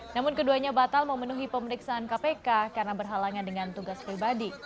namun keduanya batal memenuhi pemeriksaan kpk karena berhalangan dengan tugas pribadi